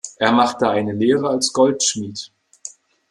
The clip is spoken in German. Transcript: Er machte eine Lehre als Goldschmied.